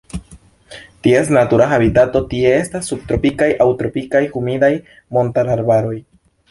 Ties natura habitato tie estas subtropikaj aŭ tropikaj humidaj montararbaroj.